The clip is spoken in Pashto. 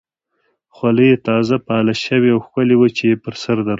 خولۍ یې تازه پالش شوې او ښکلې وه چې یې پر سر درلوده.